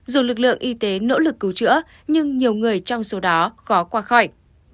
dù lực lượng y tế nỗ lực cứu chữa nhưng nhiều người trong số đó khó qua khỏi